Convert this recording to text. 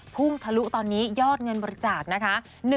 ทะลุตอนนี้ยอดเงินบริจาคนะคะ